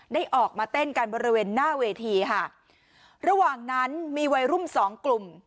ได้ออกมาเต้นกันบริเวณหน้าเวทีค่ะระหว่างนั้นมีวัยรุ่นสองกลุ่ม